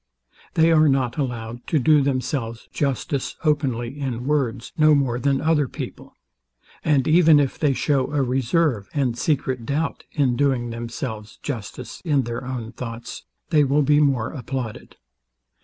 They are not allowed to do themselves justice openly, in words, no more than other people; and even if they show a reserve and secret doubt in doing themselves justice in their own thoughts, they will be more applauded.